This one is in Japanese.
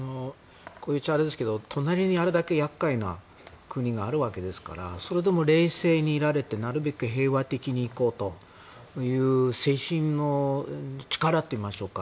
こう言っちゃあれですけど隣にあれだけ厄介な国があるわけですからそれでも冷静にいられてなるべく平和的にいこうという精神の力といいましょうか。